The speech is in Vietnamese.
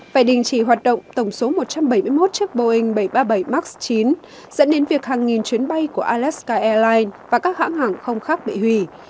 phải đình chỉ hoạt động tổng số một trăm bảy mươi một chiếc boeing bảy trăm ba mươi bảy max chín dẫn đến việc hàng nghìn chuyến bay của alaska airlines và các hãng hàng không khác bị hủy